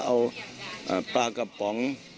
เอาปลากระป๋อง